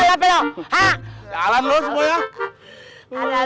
jalan lu semua ya